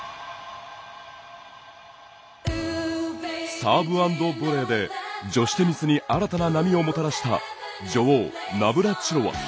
サーブ＆ボレーで女子テニスに新たな波をもたらした女王・ナブラチロワ。